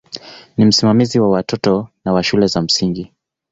Ni msimamizi wa watoto na wa shule za msingi.